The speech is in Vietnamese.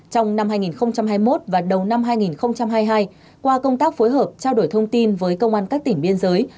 trong năm hai nghìn hai mươi một và đầu năm hai nghìn hai mươi hai qua công tác phối hợp trao đổi thông tin với công an các tỉnh biên giới